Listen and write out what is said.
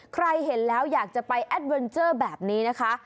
ใครเห็นแล้วอยากจะไปแอดเวนเจอร์แบบนี้นะคะ